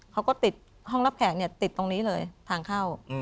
เขาก็ติดห้องรับแขกเนี่ยติดตรงนี้เลยทางเข้า